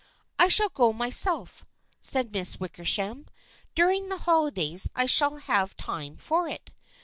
" I shall go myself," said Miss Wickersham. " During the holidays I shall have time for it.